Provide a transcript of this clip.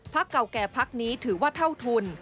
เก่าแก่พักนี้ถือว่าเท่าทุน